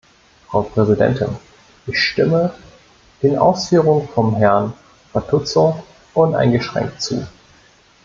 Frau Präsidentin, ich stimme den Ausführungen von Herrn Fatuzzo uneingeschränkt zu.